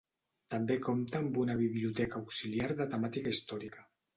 També compta amb una biblioteca auxiliar de temàtica històrica.